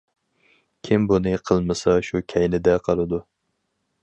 كىم بۇنى قىلمىسا، شۇ كەينىدە قالىدۇ.